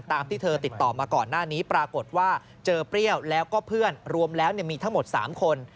ที่เธอติดต่อมาก่อนหน้านี้ปรากฏว่าเจอเปรี้ยวแล้วก็เพื่อนรวมแล้วมีทั้งหมด๓คน